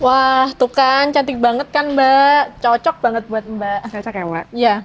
wah tuh kan cantik banget kan mbak cocok banget buat mbak cocok ya mbak iya